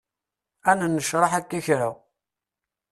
Ad nennecraḥ akka kra.